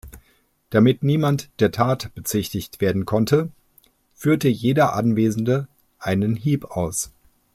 Damit niemand der Tat bezichtigt werden konnte, führte jeder Anwesende einen Hieb aus.